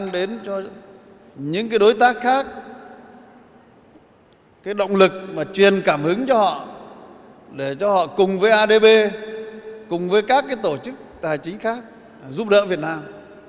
đừng cảm hứng cho họ để cho họ cùng với adb cùng với các tổ chức tài chính khác giúp đỡ việt nam